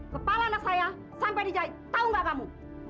kepala anak saya sampai dijahit tau gak kamu